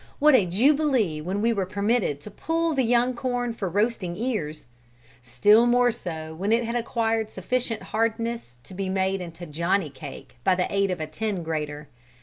What a jubilee when we were permitted to pull the young corn for roasting ears! Still more so when it had acquired sufficient hardness to be made into johnny cake by the aid of a tin grater.